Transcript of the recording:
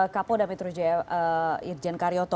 kapolda metro jaya irjen karyoto